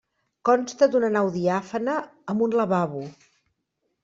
Consta d'una nau diàfana amb un lavabo.